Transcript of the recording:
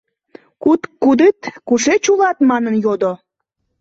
— Куд-куд-ыт? — кушеч улат манын йодо.